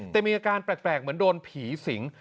แต่มีอาการแปลกเหมือนโดนผีสิง